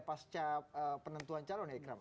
pas penentuan calonnya ikram